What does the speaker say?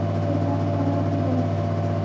এখানে আমার কি দোষ।